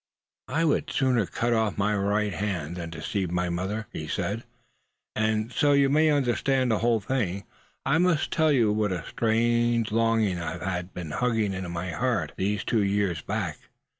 "I would sooner cut off my right hand, suh, than deceive my mother," he said. "And, so you may understand the whole thing, I must tell you what a strange longin' I've been hugging to my heart these two years back.